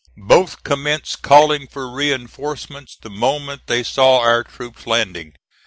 Both commenced calling for reinforcements the moment they saw our troops landing.